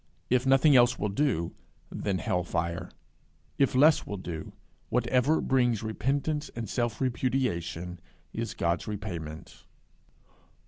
If nothing else will do, then hell fire; if less will do, whatever brings repentance and self repudiation, is God's repayment.